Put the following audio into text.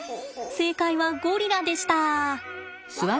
正解はゴリラでした。